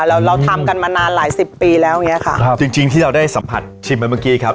เราเราทำกันมานานหลายสิบปีแล้วอย่างเงี้ยค่ะครับจริงจริงที่เราได้สัมผัสชิมไปเมื่อกี้ครับ